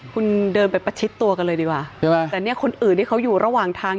คุณเดินไปประชิดตัวกันเลยดีกว่าใช่ไหมแต่เนี่ยคนอื่นที่เขาอยู่ระหว่างทาง